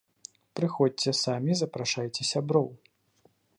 Прыходзьце самі і запрашайце сяброў!